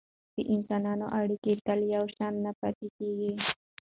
د انسانانو اړیکې تل یو شان نه پاتې کیږي.